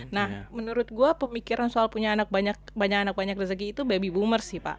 nah menurut gue pemikiran soal punya anak banyak anak banyak rezeki itu baby boomers sih pak